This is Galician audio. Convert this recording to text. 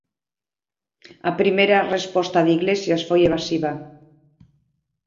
A primeira resposta de Iglesias foi evasiva.